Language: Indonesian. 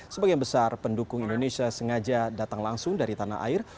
sebagian besar pendukung indonesia sengaja datang langsung dari tanah air